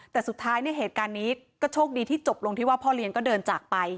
แต่สุดท้ายเนี่ยเหตุการณ์นี้ก็โชคดีที่จบลงที่ว่าพ่อเลี้ยงก็เดินจากไป